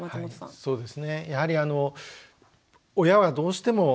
そうですよね。